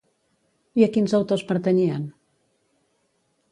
I a quins autors pertanyien?